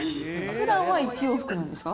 ふだんは１往復なんですか？